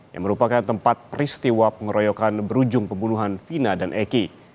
yang merupakan tempat peristiwa pengeroyokan berujung pembunuhan vina dan eki